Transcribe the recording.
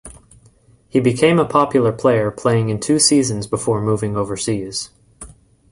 He became a popular player playing in two seasons before moving overseas.